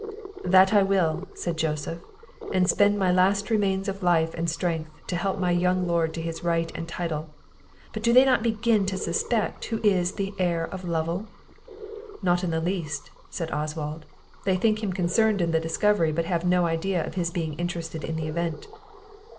"That I will," said Joseph, "and spend my last remains of life and strength, to help my young lord to his right and title. But do they not begin to suspect who is the heir of Lovel?" "Not in the least," said Oswald; "they think him concerned in the discovery, but have no idea of his being interested in the event."